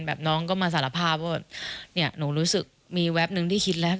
น้องก็มาสารภาพว่าเนี่ยหนูรู้สึกมีแวบนึงที่คิดแล้ว